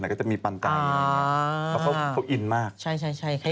แต่เขามีแฟนนั้นแล้วนะคนนี้ไม่ใช่ละน่าจะเป็นคนเดิม